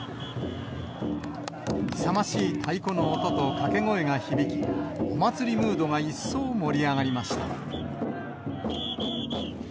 勇ましい太鼓の音と掛け声が響き、お祭りムードが一層盛り上がりました。